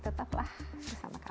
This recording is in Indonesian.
tetaplah bersama kami